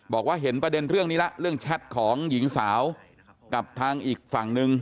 บอกว่าเห็นประเด็นเรื่องนี้แล้วเรื่องแชทของหญิงสาวกับทางอีกฝั่งนึง